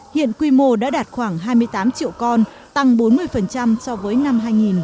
hiện quy mô đã đạt khoảng hai mươi tám triệu con tăng bốn mươi so với năm hai nghìn